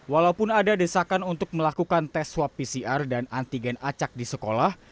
walaupun ada desakan untuk melakukan tes swab pcr dan antigen acak di sekolah